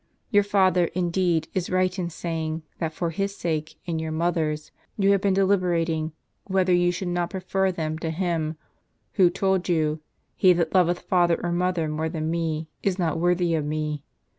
Your father, indeed, is right in saying, that for his sake and your mother's jon have been deliberating whether you should not prefer them to Him who told you, ' He that loveth father or mother more than Me, is not worthy of Me.'